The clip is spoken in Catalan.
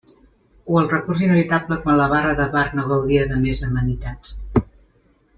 O el recurs inevitable quan la barra de bar no gaudia de més amenitats.